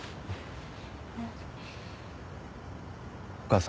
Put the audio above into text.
お母さん。